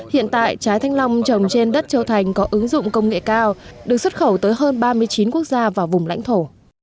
hiện tại trái thanh long trồng trên đất châu thành có ứng dụng công nghệ cao được xuất khẩu tới hơn ba mươi chín quốc gia và vùng lãnh thổ